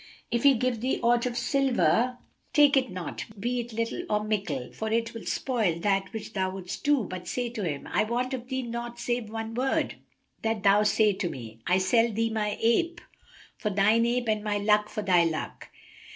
If he give thee aught of silver, take it not, be it little or mickle, for it will spoil that which thou wouldst do, but say to him, 'I want of thee naught save one word, that thou say to me, 'I sell thee my ape for thine ape and my luck for thy luck.'